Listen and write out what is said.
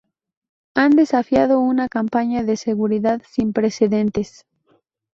han desafiado una campaña de seguridad sin precedentes